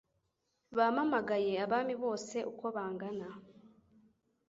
Bampamagaye Abami bose uko bangana